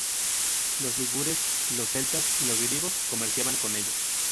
Los ligures, los celtas y los griegos comerciaban con ellos.